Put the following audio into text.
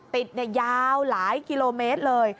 ติดยาวหลายกิโลเมตรเลย